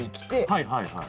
はいはいはい。